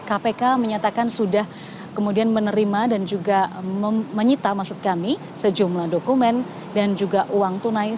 kpk menyatakan sudah kemudian menerima dan juga menyita maksud kami sejumlah dokumen dan juga uang tunai